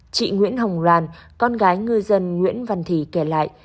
chị nguyễn hồng loan con gái ngư dân nguyễn văn thị kể lại